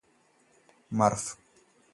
മര്ഫ്